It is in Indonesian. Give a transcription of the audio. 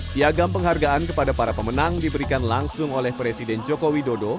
tiagam penghargaan kepada para pemenang diberikan langsung oleh presiden jokowi dodo